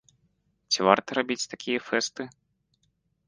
Ці варта рабіць такія фэсты?